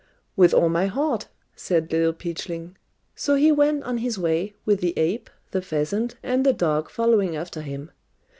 ] "With all my heart," said Little Peachling. So he went on his way, with the ape, the pheasant, and the dog following after him.